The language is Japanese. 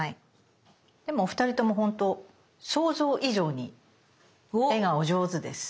でもお二人ともほんと想像以上に絵がお上手です。